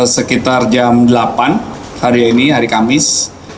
sekitar jam delapan hari ini hari kamis